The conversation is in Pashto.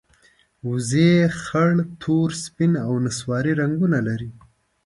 وزې خړ، تور، سپین او نسواري رنګونه لري